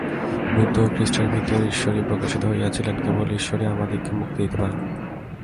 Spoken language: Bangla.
বুদ্ধ ও খ্রীষ্টের ভিতর ঈশ্বরই প্রকাশিত হইয়াছিলেন, কেবল ঈশ্বরই আমাদিগকে মুক্তি দিতে পারেন।